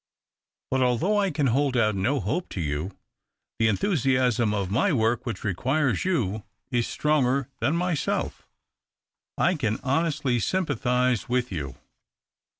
But although I can hold out no hope to you — the enthusiasm of my work which requires you is stronger than myself — I can honestly sympathize with you.